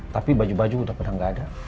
tapi baju baju udah pernah nggak ada